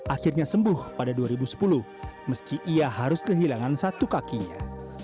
akhirnya sembuh pada dua ribu sepuluh meski ia harus kehilangan satu kakinya